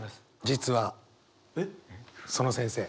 実はその先生。